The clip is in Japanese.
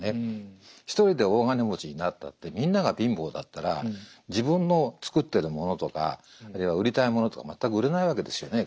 １人で大金持ちになったってみんなが貧乏だったら自分の作ってるものとかあるいは売りたいものとか全く売れないわけですよね